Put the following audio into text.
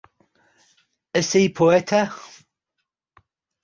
Ecce Poeta!